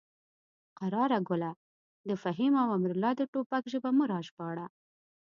قراره ګله د فهیم او امرالله د ټوپک ژبه مه راژباړه.